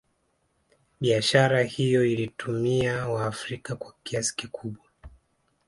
Biashara hiyo ilitumia waafrika kwa kiasi kikubwa